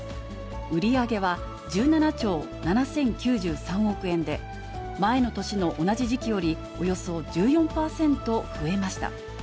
売り上げは１７兆７０９３億円で、前の年の同じ時期よりおよそ１４％増えました。